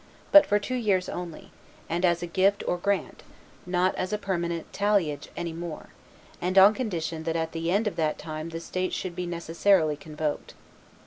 but for two years only, and as a gift or grant, not as a permanent talliage any more, and on condition that at the end of that time the states should be necessarily convoked.